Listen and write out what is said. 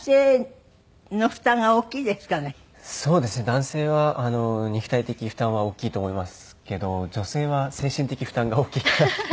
男性は肉体的負担は大きいと思いますけど女性は精神的負担が大きいかなって。